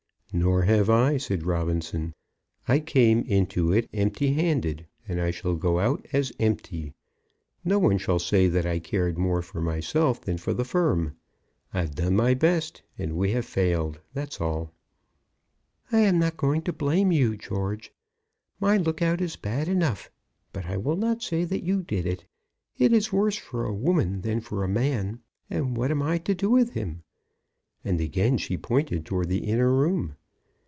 "Nor have I," said Robinson. "I came into it empty handed, and I shall go out as empty. No one shall say that I cared more for myself than for the firm. I've done my best, and we have failed. That's all." "I am not going to blame you, George. My look out is bad enough, but I will not say that you did it. It is worse for a woman than for a man. And what am I to do with him?" And again she pointed towards the inner room.